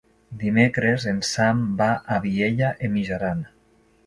Dimecres en Sam va a Vielha e Mijaran.